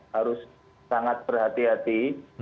harus sangat berhati hati